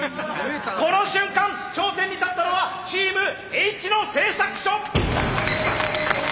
この瞬間頂点に立ったのはチームＨ野製作所！